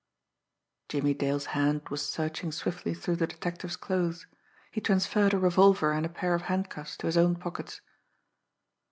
Jimmie Dale's hand was searching swiftly through the detective's clothes. He transferred a revolver and a pair of handcuffs to his own pockets.